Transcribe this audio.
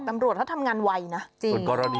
ตำรวจเขาทำงานไวนะจริง